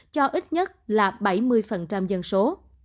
cho ít nhất là bảy mươi dân số